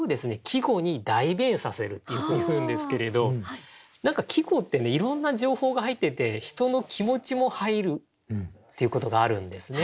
季語に代弁させるっていうんですけれど何か季語っていろんな情報が入ってて人の気持ちも入るっていうことがあるんですね。